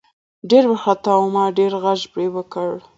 ډېر ورخطا وو ما ډېر غږ پې وکړه .